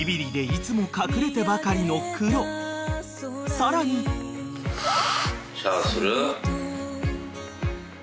［さらに］シャーする？